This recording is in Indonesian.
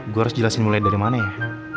gue harus jelasin mulai dari mana ya